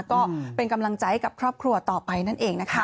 ก็เป็นกำลังใจกับครอบครัวต่อไปนั่นเองนะคะ